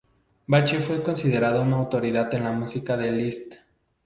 Bache fue considerado una autoridad en la música de Liszt.